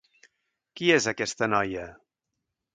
Qui és aquesta noia?